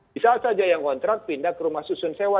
bisa saja yang ngontrak pindah ke rumah susun sewa